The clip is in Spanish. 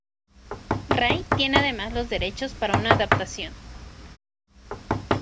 Rai tiene además los derechos para una adaptación.